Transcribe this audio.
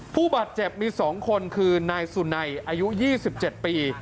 ผู้บาดเจ็บมี๒คนคือนายสุนัยอายุ๒๗ปี